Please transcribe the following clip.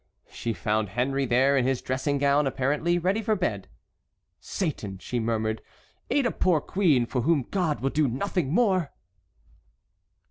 She found Henry there in his dressing gown, apparently ready for bed. "Satan!" she murmured, "aid a poor queen for whom God will do nothing more!"